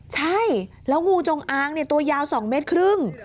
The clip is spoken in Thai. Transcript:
ใช่แล้วงูจงอางตัวยาว๒เมตรครึ่ง